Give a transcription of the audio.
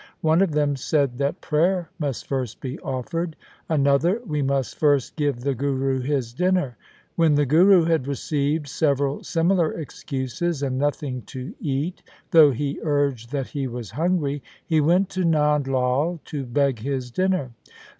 One of them said that prayer must first be offered. Another, ' We must first give the Guru his dinner.' When the Guru had received several similar excuses and nothing to eat, though he urged that he was hungry, he went to Nand Lai to beg his dinner.